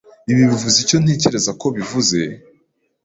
Ibi bivuze icyo ntekereza ko bivuze?